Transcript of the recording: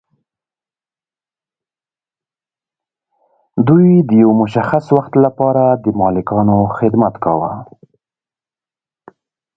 دوی د یو مشخص وخت لپاره د مالکانو خدمت کاوه.